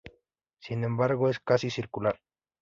Sin embargo, es casi circular.